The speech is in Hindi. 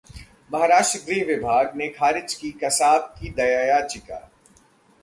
महाराष्ट्र गृह विभाग ने खारिज की कसाब की दया याचिका